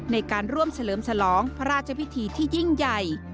ในการร่วมเฉลิมฉลองพระราชพิธีที่ยิ่งใหญ่